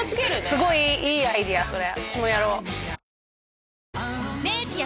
すごいいいアイデアそれ。